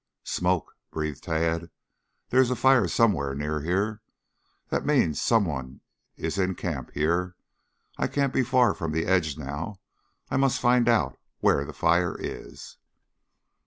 "Smoke!" breathed Tad. "There is a fire somewhere near here. That means some one is in camp here. I can't be far from the edge now. I must find out where the fire is."